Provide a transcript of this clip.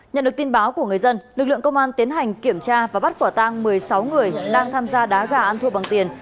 nhận được tin báo của người dân lực lượng công an tiến hành kiểm tra và bắt quả tang một mươi sáu người đang tham gia đá gà ăn thua bằng tiền